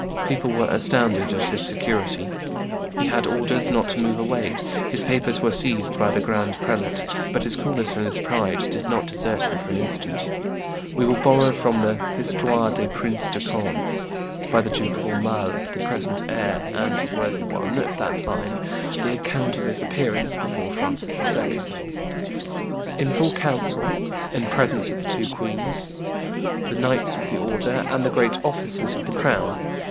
People were astounded at his security. He had orders not to move away; his papers were seized by the grand prelate; but his coolness and his pride did not desert him for an instant. We will borrow from the Histoire des Princes de Conde (t. i. pp. 68 71), by the Duke of Aumale, the present heir, and a worthy one, of that line, the account of his appearance before Francis II., "in full council, in presence of the two queens, the knights of the order, and the great officers of the crown.